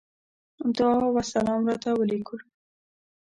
دعا وسلام راته وليکلو.